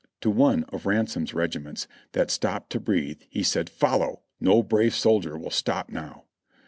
To one of Ransom's regiments, that stopped to breathe, he said : "Follow ! No brave soldier will stop now."